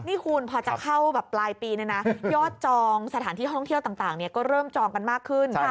นี่คุณพอจะเข้าแบบปลายปีเนี่ยนะยอดจองสถานที่ท่องเที่ยวต่างก็เริ่มจองกันมากขึ้น